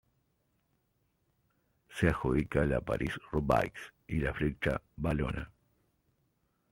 Se adjudica la París-Roubaix y la Flecha Valona.